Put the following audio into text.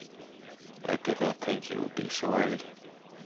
I did not think you would be so early.